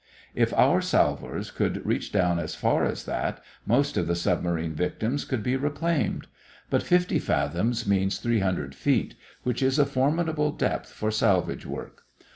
If our salvors could reach down as far as that, most of the submarine victims could be reclaimed. But fifty fathoms means 300 feet, which is a formidable depth for salvage work.